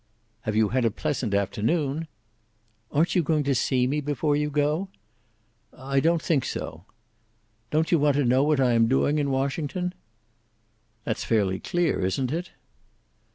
"Have you had a pleasant afternoon?" "Aren't you going to see me before you go?" "I don't think so." "Don't you want to know what I am doing in Washington?" "That's fairly clear, isn't it?"